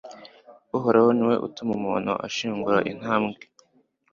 Uhoraho ni we utuma umuntu ashingura intambwe